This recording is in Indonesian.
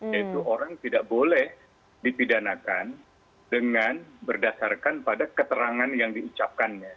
yaitu orang tidak boleh dipidanakan dengan berdasarkan pada keterangan yang diucapkannya